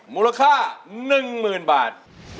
มูลค่า๑๐๐๐บาท